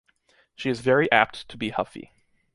She is very apt to be huffy.